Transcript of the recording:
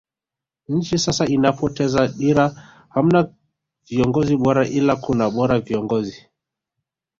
Nchi sasa inapoteza dira hamna viongozi bora ila kuna bora viongozi